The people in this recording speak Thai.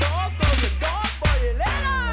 มันตายหรอนะ